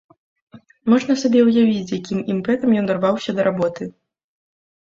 Можна сабе ўявіць, з якім імпэтам ён дарваўся да работы!